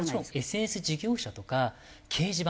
ＳＮＳ事業者とか掲示板